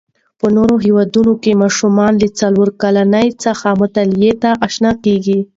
په نورو هیوادو کې ماشومان له څلورو کلونو څخه مطالعې ته آشنا کېږي.